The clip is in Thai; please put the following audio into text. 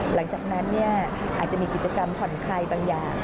หลังจากนั้นอาจจะมีกิจกรรมผ่อนคลายบางอย่าง